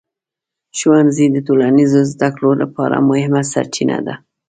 ښوونځي د ټولنیز زده کړو لپاره مهمه سرچینه ده.